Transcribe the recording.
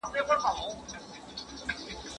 زه د سهار له یخې هوا خوند اخلم.